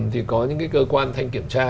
thì có những cái cơ quan thanh kiểm tra